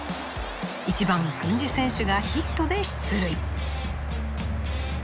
１番郡司選手がヒットで出塁。